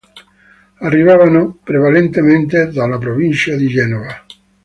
Arrivavano prevalentemente dalla provincia di Genova.